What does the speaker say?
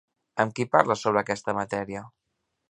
Amb qui parla sobre aquesta matèria?